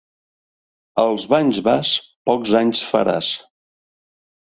Als banys vas, pocs anys faràs.